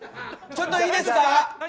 ちょっといいですか。